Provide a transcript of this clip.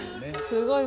すごい。